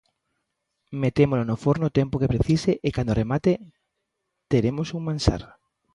Metémolo no forno o tempo que precise e cando remate teremos un manxar.